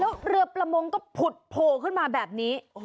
แล้วเรือประมงก็ผุดโผล่ขึ้นมาแบบนี้